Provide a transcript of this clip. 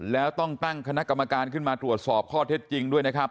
แล้วต้องตั้งคณะกรรมการขึ้นมาตรวจสอบข้อเท็จจริงด้วยนะครับ